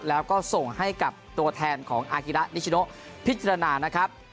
แล้วก็ส่งให้กับตัวแทนของอากิระนิชโนพิจารณานะครับ